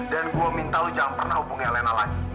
dan gue minta lo jangan pernah hubungi alena lagi